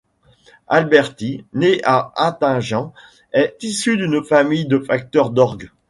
Alberti, né à Hattingen, est issu d'une famille de facteurs d'orgue.